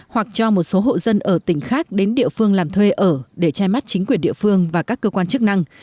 hoặc cho một số hộ dân ở tỉnh khác đến địa phương làm thuê ở để che mắt chính quyền địa phương và các cơ quan chức năng